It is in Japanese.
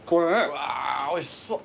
うわーおいしそう。